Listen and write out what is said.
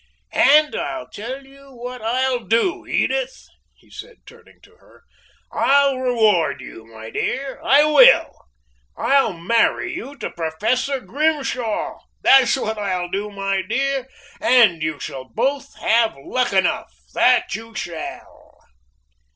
And I'll tell you what I'll do, Edith!" he said, turning to her, "I'll reward you, my dear! I will. I'll marry you to Professor Grimshaw! That's what I'll do, my dear! And you both shall have Luckenough; that you shall!"